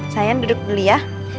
sayang duduk dulu ya